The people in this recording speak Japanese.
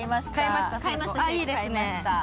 いいですね。